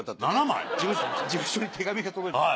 事務所に手紙が届いた。